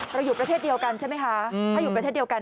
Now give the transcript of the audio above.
เราอยู่ประเทศเดียวกันใช่ไหมคะถ้าอยู่ประเทศเดียวกัน